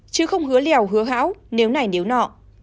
chứ không hứa lèo hứa hão nếu này nếu nọ